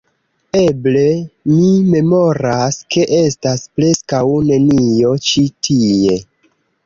Eble, vi memoras, ke estas preskaŭ nenio ĉi tie